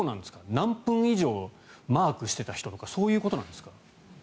何分以上マークしていた人とかそういうことなんですか？